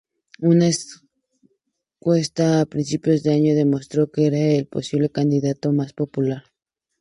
Una encuesta a principios de año demostró que era el posible candidato más popular.